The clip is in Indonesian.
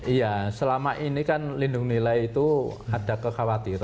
iya selama ini kan lindung nilai itu ada kekhawatiran